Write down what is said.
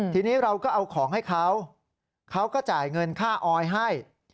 ทีนี้เราก็เอาของให้เขาเขาก็จ่ายเงินค่าออยให้